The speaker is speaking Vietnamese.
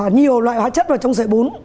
nhiều loại hóa chất vào trong sợi bún